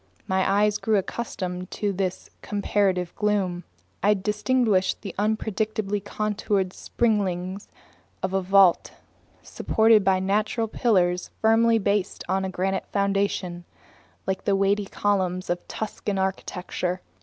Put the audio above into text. My eyes soon grew accustomed to this comparative gloom. I distinguished the unpredictably contoured springings of a vault, supported by natural pillars firmly based on a granite foundation, like the weighty columns of Tuscan architecture.